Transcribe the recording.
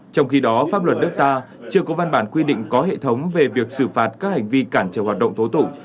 trong khi đó pháp luật nước ta chưa có văn bản quy định có hệ thống về việc xử phạt các hành vi cản trở hoạt động tố tụng